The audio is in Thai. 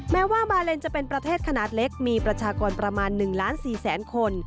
แม้ว่าบาเลนจะเป็นประเทศขนาดเล็กมีประชากรประมาณ๑ล้าน๔แสนคน